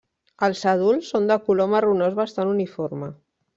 Els adults són de color marronós bastant uniforme.